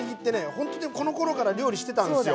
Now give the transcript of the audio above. ほんとにこのころから料理してたんですよ。